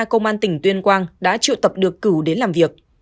công an tỉnh tuyên quang đã trự tập được cửu đến làm việc